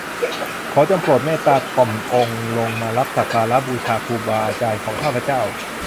ขอจงโปรดเมตตาถ่อมองค์ลงมารับสักการะบูชาครูบาอาจารย์ของข้าพเจ้า